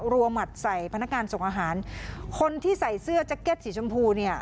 หมัดใส่พนักงานส่งอาหารคนที่ใส่เสื้อแจ็คเก็ตสีชมพูเนี่ย